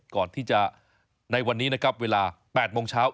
ก่อนที่จะในวันนี้นะครับเวลา๘โมงเช้า